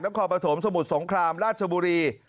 และความประถมสมุทรสงครามราชบุรี